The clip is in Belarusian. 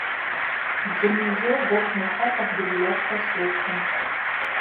Дзе-нідзе вокны ў хатах былі ярка асветлены.